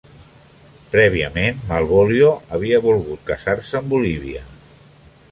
Prèviament, Malvolio havia volgut casar.se amb Olivia.